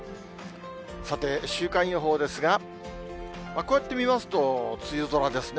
さて、週間予報ですが、こうやって見ますと、梅雨空ですね。